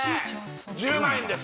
１０万円です